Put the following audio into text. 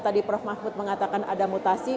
tadi prof mahfud mengatakan ada mutasi